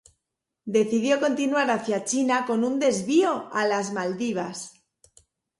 Decidió continuar hacia China con un desvío a las Maldivas.